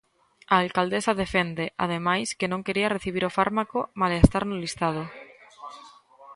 A alcaldesa defende, ademais, que non quería recibir o fármaco malia estar no listado.